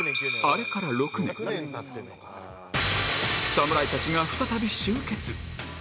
侍たちが再び集結